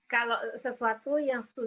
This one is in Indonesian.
kalau sesuatu yang